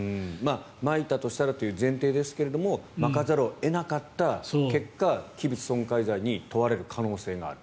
まいたとしたらという前提ですがまかざるを得なかった結果器物損壊罪に問われる可能性がある。